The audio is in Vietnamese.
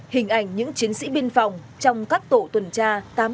hình ảnh những chiến sĩ biên phòng trong các tổ tuần tra